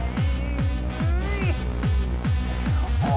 โอ้โฮ